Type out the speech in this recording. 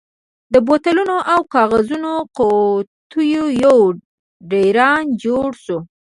د بوتلونو او کاغذي قوتیو یو ډېران جوړ شوی.